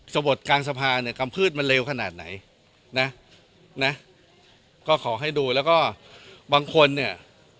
บทกลางสภาเนี่ยกำพืชมันเร็วขนาดไหนนะนะก็ขอให้ดูแล้วก็บางคนเนี่ย